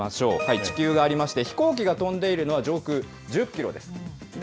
地球がありまして、飛行機が飛んでいるのは上空１０キロです。